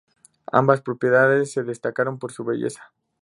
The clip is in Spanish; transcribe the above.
Ambas propiedades se destacaron por su belleza.